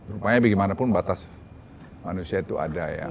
rupanya bagaimanapun batas manusia itu ada ya